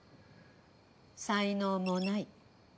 才能もない。